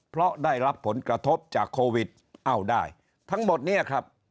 เพราะได้รับผลกระทบจากโควิดเอาได้ทั้งหมดเนี่ยครับ